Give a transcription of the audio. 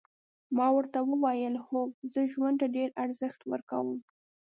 ما ورته وویل هو زه ژوند ته ډېر ارزښت ورکوم.